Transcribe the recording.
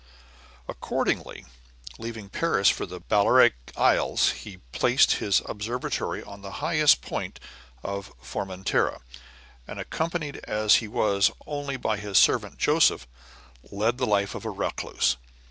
Accordingly, leaving Paris for the Balearic Isles, he placed his observatory on the highest point of Formentera, and accompanied as he was only by his servant, Joseph, led the life of a recluse.